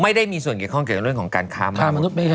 ไม่ได้มีส่วนเกี่ยวข้องกับเรื่องของการค้ามนุษย์